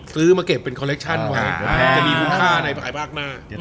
ซื้อมาเก็บเป็นคอเลคชั่นไว้จะมีคุณค่าในไพรบาคน่า